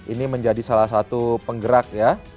ini menjadi salah satu penggerak ya